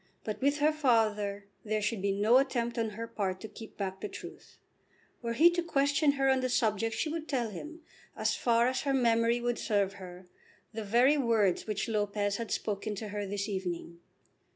But with her father there should be no attempt on her part to keep back the truth. Were he to question her on the subject she would tell him, as far as her memory would serve her, the very words which Lopez had spoken to her this evening.